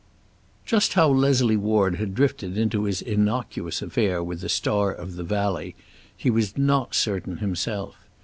XIV JUST how Leslie Ward had drifted into his innocuous affair with the star of "The Valley" he was not certain himself.